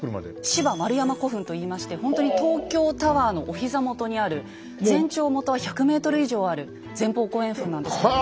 「芝丸山古墳」といいましてほんとに東京タワーのお膝元にある全長元は１００ｍ以上ある前方後円墳なんですけども。